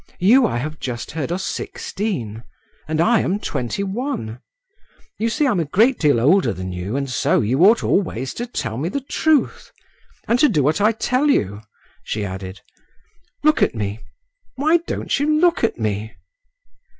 You, I have just heard, are sixteen, and I am twenty one: you see I'm a great deal older than you, and so you ought always to tell me the truth … and to do what I tell you," she added. "Look at me: why don't you look at me?"